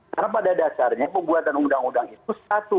karena pada dasarnya pembuatan undang undang itu satu